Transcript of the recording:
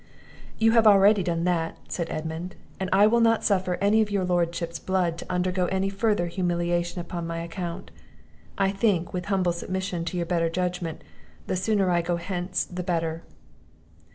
"You have already done that," said Edmund; "and I will not suffer any of your Lordship's blood to undergo any farther humiliation upon my account. I think, with humble submission to your better judgment, the sooner I go hence the better."